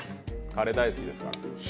カレー大好きですから。